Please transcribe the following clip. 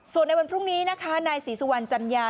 ส่วนในวันพรุ่งนี้นะคะนายศรีสุวรรณจัญญา